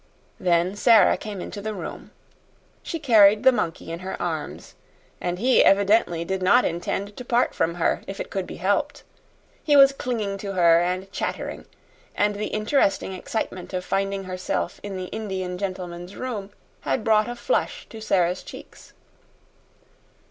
Then Sara came into the room. She carried the monkey in her arms, and he evidently did not intend to part from her, if it could be helped. He was clinging to her and chattering, and the interesting excitement of finding herself in the Indian gentleman's room had brought a flush to Sara's cheeks.